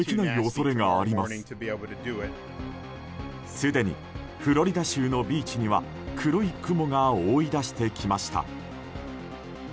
すでにフロリダ州のビーチには黒い雲が覆い出してきました。